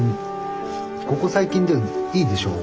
ここ最近ではいいでしょう？